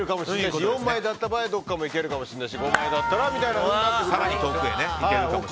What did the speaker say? ４枚だった場合どこかも行けるかもしれないし５枚だったらみたいなことに。